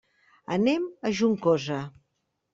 Anem a Juncosa.